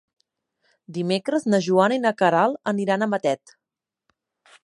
Dimecres na Joana i na Queralt aniran a Matet.